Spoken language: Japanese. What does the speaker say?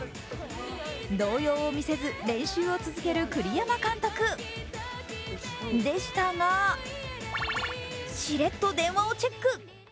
動揺を見せず練習を続ける栗山監督でしたがしれっと電話をチェック。